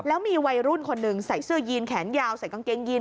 แล้วมีวัยรุ่นคนหนึ่งใส่เสื้อยีนแขนยาวใส่กางเกงยีน